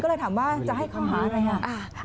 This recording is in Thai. ก็เลยถามว่าจะให้ข้อหาอะไรอ่ะ